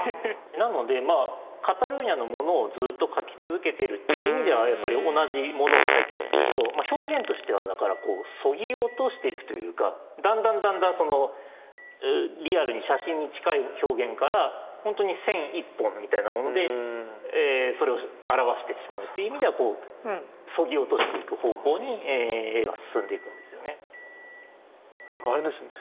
なのでカタルーニャのものをずっと描き続けてるっていう意味ではやっぱり同じものを描いてるんですけど表現としてはだからこうそぎ落としていくというかだんだんだんだんリアルに写真に近い表現から本当に線一本みたいなものでそれを表してしまうって意味ではそぎ落としていく方向に絵は進んでいくんですよね。なんかあれですね。